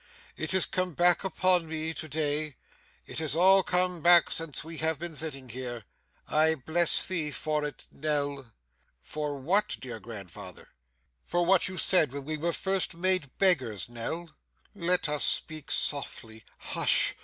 'It has come back upon me to day, it has all come back since we have been sitting here. I bless thee for it, Nell!' 'For what, dear grandfather?' 'For what you said when we were first made beggars, Nell. Let us speak softly. Hush!